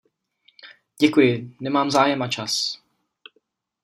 Děkuji, nemám zájem a čas.